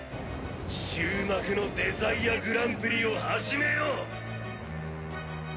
「終幕のデザイアグランプリを始めよう！」